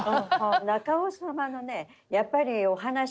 中尾様のねやっぱりお話がね